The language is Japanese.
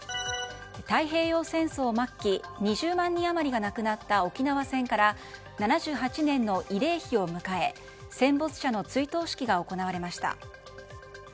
太平洋戦争末期２０万人余りが亡くなった沖縄戦から７８年の慰霊日を迎え戦没者の追悼式が行われました。